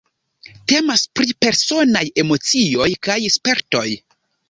Temas pri personaj emocioj kaj spertoj.